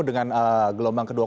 dengan gelombang kedua